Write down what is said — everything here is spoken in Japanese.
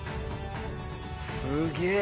すげえ！